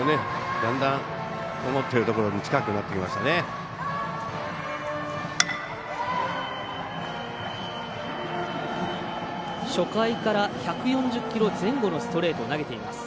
だんだん、思ってるところに近くなってきました。